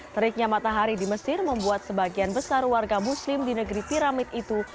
teriknya matahari di mesir membuat sebagian besar warga muslim di negeri piramid itu